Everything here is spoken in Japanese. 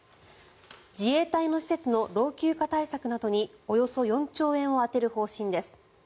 自衛隊の施設の老朽化対策などにおよそ４兆円を充てる方針です。